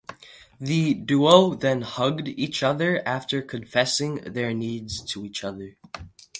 The duo then hugged each other after confessing their needs to each other.